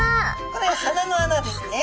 これが鼻の穴ですね。